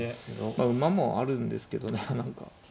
まあ馬もあるんですけどね何か。